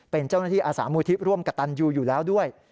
เป็นเจ้าหน้าที่อาสามูลที่ร่วมกับตันยูอยู่แล้วด้วย